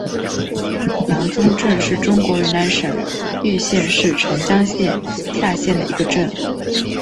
阳宗镇是中国云南省玉溪市澄江县下辖的一个镇。